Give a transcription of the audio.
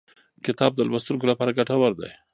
کتاب د لوستونکو لپاره ګټور دی.